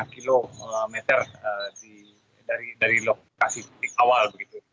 tiga lima km dari lokasi awal